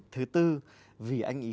thứ tư vì anh ấy